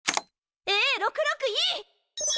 Ａ６６Ｅ！